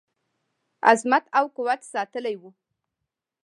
عظمت او قوت ساتلی وو.